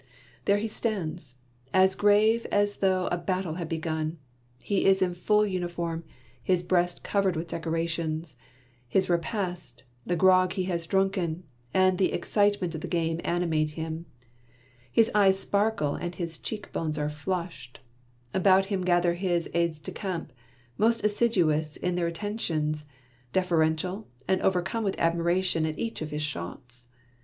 There he stands, as grave as though a battle had begun ; he is in full uniform, his breast covered with decorations ; his repast, the grog he has drunken, and the excite ment of the game animate him. His eyes sparkle, 12 Monday Tales, and his cheek bones are flushed. About him gather his aides de camp, most assiduous in their attentions, deferential, and overcome with admi ration at each of his shots.